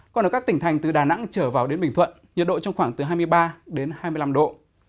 còn ở các tỉnh thành từ đà nẵng trở vào đến bình thuận nhiệt độ trong khoảng từ hai mươi ba đến hai mươi năm độ